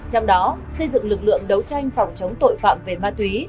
trong đó xây dựng lực lượng đấu tranh phòng chống tội phạm về ma túy